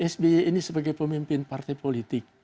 sby ini sebagai pemimpin partai politik